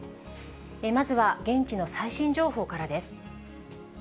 まずは現地の最新情報からです。